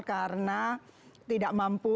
karena tidak mampu